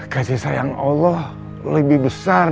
kasih sayang allah lebih besar